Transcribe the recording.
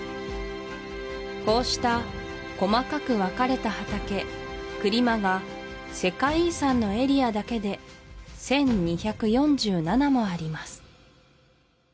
こうした細かく分かれた畑クリマが世界遺産のエリアだけで１２４７もあります